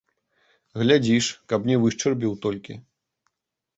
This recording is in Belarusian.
Глядзі ж, каб не вышчарбіў толькі.